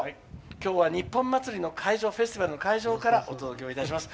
今日は日本祭りの会場フェスティバルの会場からお届けをいたします。